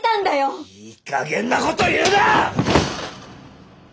いいかげんなこと言うな！